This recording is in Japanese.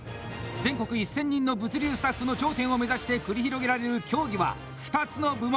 全国１，０００人の物流スタッフの頂点を目指して繰り広げられる競技は２つの部門